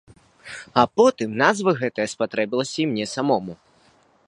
А потым назва гэтая спатрэбілася і мне самому.